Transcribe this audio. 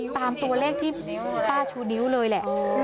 ตามตัวเลขที่ป้าชูนิ้วเลยแหละ